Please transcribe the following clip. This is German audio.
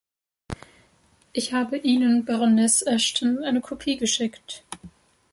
Ich habe Ihnen, Baroness Ashton, eine Kopie geschickt.